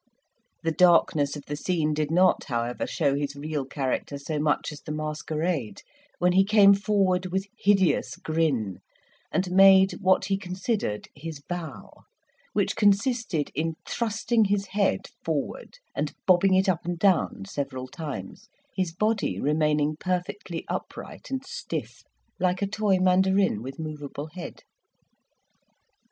The darkness of the scene did not, however, show his real character so much as the masquerade, when he came forward with hideous grin, and made what he considered his bow, which consisted in thrusting his head forward and bobbing it up and down several times, his body remaining perfectly upright and stiff, like a toy mandarin with moveable head.